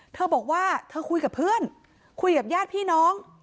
เธอบอกว่าเธอคุยกับเพื่อนคุยกับญาติพี่น้อง